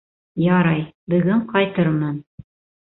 Ярай, бөгөн ҡайтырмын.